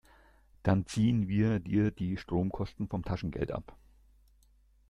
Dann ziehen wir dir die Stromkosten vom Taschengeld ab.